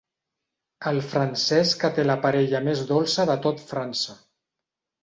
El francès que té la parella més dolça de tot França.